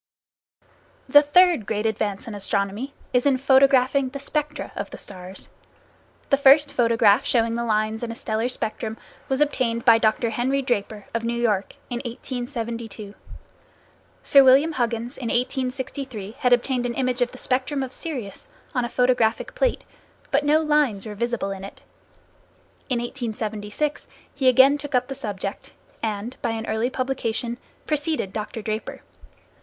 The third great advance in astronomy is in photographing the spectra of the stars. The first photograph showing the lines in a stellar spectrum was obtained by Dr. Henry Draper, of New York, in 1872. Sir William Huggins in 1863 had obtained an image of the spectrum of Sirius, on a photographic plate, but no lines were visible in it. In 1876 he again took up the subject, and, by an early publication, preceded Dr. Draper.